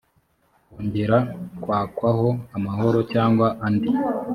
kongera kwakwaho amahoro cyangwa andi